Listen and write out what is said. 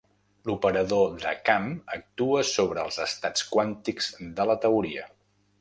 L'operador de camp actua sobre els estats quàntics de la teoria.